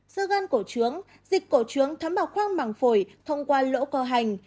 sơ gan cổ trướng dịch cổ trướng thấm vào khoang măng phổi thông qua lỗ cơ hành